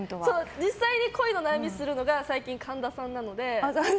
実際に恋の悩みするのが最近は神田さんなので。